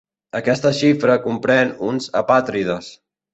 Aquesta xifra comprèn uns apàtrides.